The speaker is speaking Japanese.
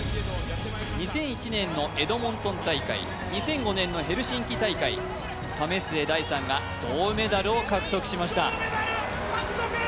２００１年のエドモントン大会２００５年のヘルシンキ大会為末大さんが銅メダルを獲得しました